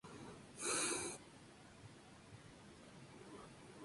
Tiene un vuelo rápido y ondulante.